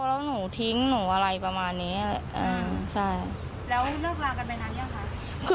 แล้วหนูทิ้งหนูอะไรประมาณนี้ใช่แล้วเลิกลากันไปนานยังคะ